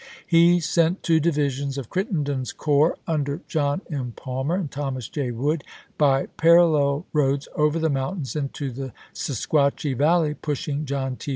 He sent two divisions of Crittenden's coi'ps, under John M. Palmer and Thomas J. Wood, by parallel roads over the mountains into the Se quatchie Valley, pushing John T.